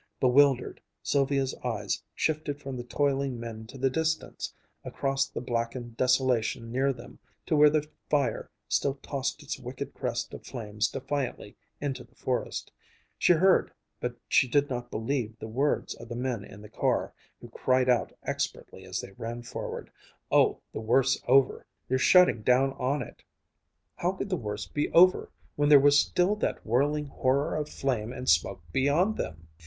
Bewildered, Sylvia's eyes shifted from the toiling men to the distance, across the blackened desolation near them, to where the fire still tossed its wicked crest of flames defiantly into the forest. She heard, but she did not believe the words of the men in the car, who cried out expertly as they ran forward, "Oh, the worst's over. They're shutting down on it." How could the worst be over, when there was still that whirling horror of flame and smoke beyond them?